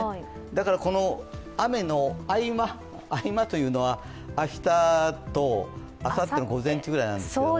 だからこの雨の合間合間というのは明日とあさっての午前中ぐらいなんですけど。